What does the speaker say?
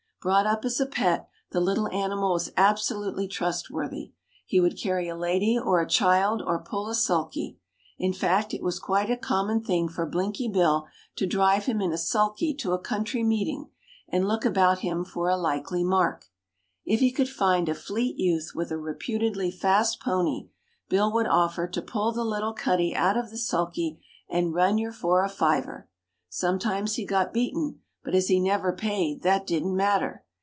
Brought up as a pet, the little animal was absolutely trustworthy. He would carry a lady or a child, or pull a sulky; in fact, it was quite a common thing for Blinky Bill to drive him in a sulky to a country meeting and look about him for a likely "mark". If he could find a fleet youth with a reputedly fast pony, Bill would offer to "pull the little cuddy out of the sulky and run yer for a fiver." Sometimes he got beaten; but as he never paid, that didn't matter.